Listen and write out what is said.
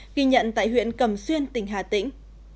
ghi nhận tại huyện cầm xuyên tỉnh hà tĩnh